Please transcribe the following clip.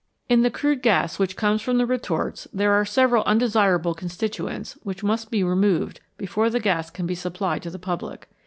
In the crude gas which comes from the retorts there are several undesirable constituents which must be removed before the gas can be supplied to the public.